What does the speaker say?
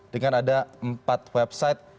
dengan ada empat website